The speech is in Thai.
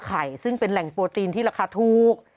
ซึ่งเป็นแหล่งโปรตีนที่ราคาถูก